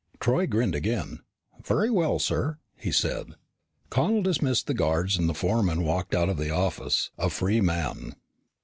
Troy grinned again. "Very well, sir," he said. Connel dismissed the guards and the foreman walked out of the office a free man.